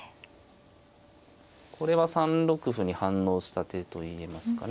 これは３六歩に反応した手と言えますかね。